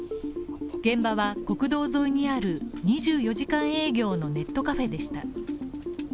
現場は国道沿いにある２４時間営業のネットカフェでした。